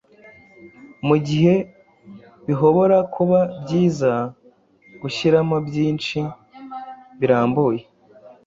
Mugihe bihobora kuba byiza guhyiramo byinhi birambuye